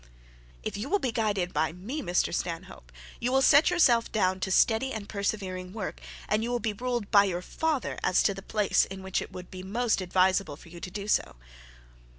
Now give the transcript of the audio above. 'If you will be guided by me, Mr Stanhope, you will set yourself down to steady and persevering work, and you will be ruled by your father as to the place in which it will be most advisable for you to do so.'